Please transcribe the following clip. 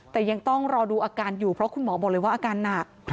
แต่ยังต้องรอดูอาการอยู่เพราะคุณหมอบอกเลยว่าอาการหนัก